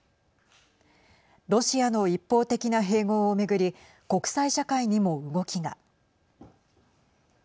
ロシアの一方的な併合を巡り国際社会にも動きが。